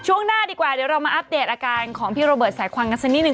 หน้าดีกว่าเดี๋ยวเรามาอัปเดตอาการของพี่โรเบิร์ตสายควันกันสักนิดนึ